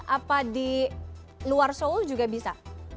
apa di luar seoul juga bisa